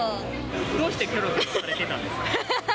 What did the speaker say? どうしてキョロキョロされてたんですか？